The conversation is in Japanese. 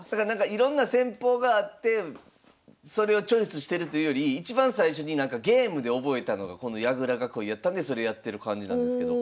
いろんな戦法があってそれをチョイスしてるというよりいちばん最初にゲームで覚えたのがこの矢倉囲いやったんでそれやってる感じなんですけど。